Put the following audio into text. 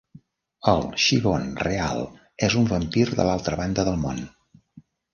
El Shevaun real és un vampir de l'altra banda del món.